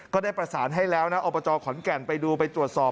ก็ได้ประสานให้แล้วนะอบจขอนแก่นไปดูไปตรวจสอบ